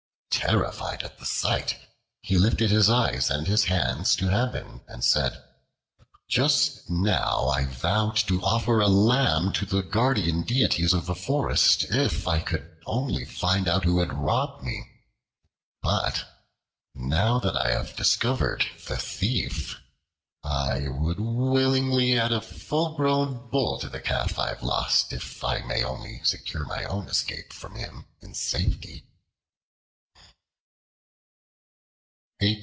Terrified at the sight, he lifted his eyes and his hands to heaven, and said: "Just now I vowed to offer a lamb to the Guardian Deities of the forest if I could only find out who had robbed me; but now that I have discovered the thief, I would willingly add a full grown Bull to the Calf I have lost, if I may only secure my own escape from him in safety."